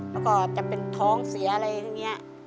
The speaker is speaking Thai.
แล้วก็จะเป็นท้องเสียอะไรอย่างนี้